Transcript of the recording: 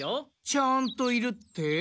ちゃんといるって？